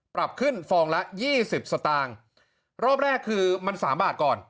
ปรับขึ้นฟองละยี่สิบสตางค์รอบแรกคือมันสามบาทก่อน